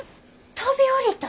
飛び降りたん！？